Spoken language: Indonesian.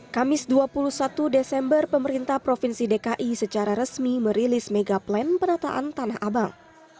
kamis dua puluh satu desember pemerintah provinsi dki secara resmi merilis mega plan penataan tanah abang